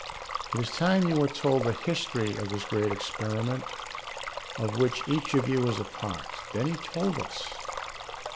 "It is time you were told the history of this great experiment of which each of you is a part." Then he told us.